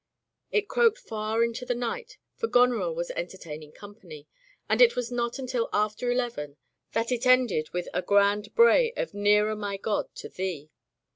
It croaked far into the night, for Goneril was entertaining company; and it was not until after eleven that it ended with a grand bray of "Nearer, My God, to Thee."